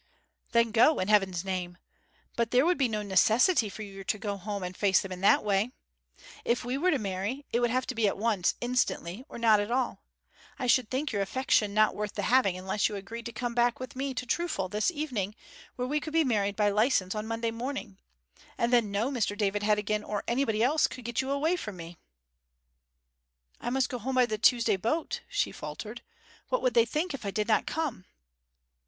'Then go, in Heaven's name! But there would be no necessity for you to go home and face them in that way. If we were to marry, it would have to be at once, instantly; or not at all. I should think your affection not worth the having unless you agreed to come back with me to Trufal this evening, where we could be married by licence on Monday morning. And then no Mr. David Heddegan or anybody else could get you away from me.' 'I must go home by the Tuesday boat,' she faltered. 'What would they think if I did not come?'